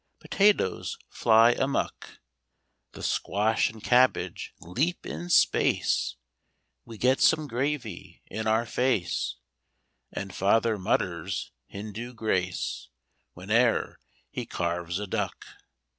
Potatoes fly amuck! The squash and cabbage leap in space We get some gravy in our face And Father mutters Hindu grace Whene'er he carves a duck.